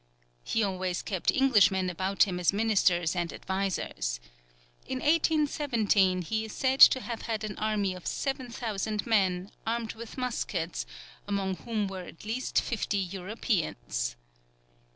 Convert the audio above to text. He always kept Englishmen about him as ministers and advisers. In 1817, he is said to have had an army of 7000 men, armed with muskets, among whom were at least fifty Europeans.